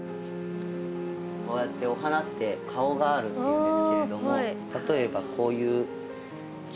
こうやってお花って「顔がある」っていうんですけれども例えばこういうキキョウやとですね